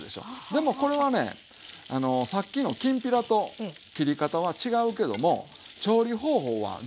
でもこれはねさっきのきんぴらと切り方は違うけども調理方法は全部一緒やと思って下さい。